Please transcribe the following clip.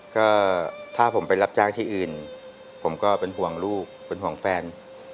ก็ถ้าผมไปรับจ้างที่อื่นผมก็เป็นห่วงลูกเป็นห่วงแฟน